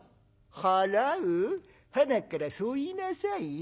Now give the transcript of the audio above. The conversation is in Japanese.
「払う？はなっからそう言いなさいよ。